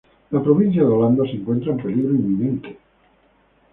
La provincia de Holanda se encuentra en peligro inminente.